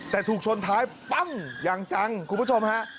แต่ถูกชนท้ายปั้งอย่างจังคุณผู้ชมฮะ